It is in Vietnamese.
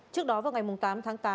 trước đó vào ngày tám tháng tám